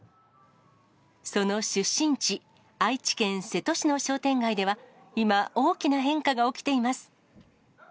その出身地、愛知県瀬戸市の商店街では、今、大きな変化が起きています。